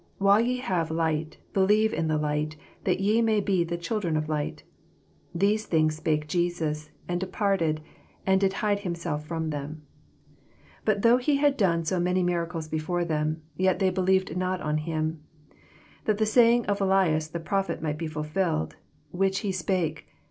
36 While ye have light, believe in the light, that ye may be the children of light. These things spake Jesns, and departed, and did hide himself from them. 37 But though he had done so many miracles before them, yet they believed not on him: 38 That the saying of Esaias tho prophet might be fulfilled, which he spake.